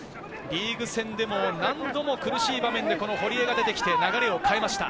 リーグ戦でも何度も苦しい場面で堀江が出て流れを変えました。